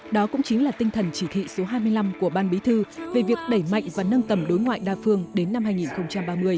đó cũng chính là tinh thần chỉ thị số hai mươi năm của ban bí thư về việc đẩy mạnh và nâng tầm đối ngoại đa phương đến năm hai nghìn ba mươi